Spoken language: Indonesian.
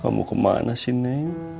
kamu kemana sini